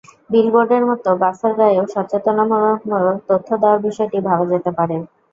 বিলবোর্ডের মতো বাসের গায়েও সচেতনতামূলক তথ্য দেওয়ার বিষয়টি ভাবা যেতে পারে।